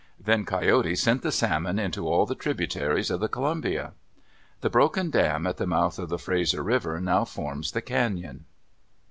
Then Coyote sent the salmon into all the tributaries of the Columbia. The broken dam at the mouth of the Fraser River now forms the cañon.